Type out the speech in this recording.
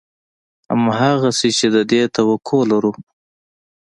همغسې چې د دې توقع لرو